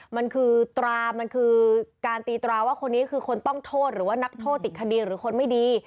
มันคือตรามันคือการตีตราว่าคนนี้คือคนต้องโทษหรือว่านักโทษติดคดีหรือคนไม่ดี